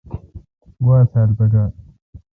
گوا تھال پکار۔